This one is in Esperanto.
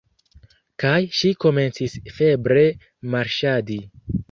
Kaj ŝi komencis febre marŝadi.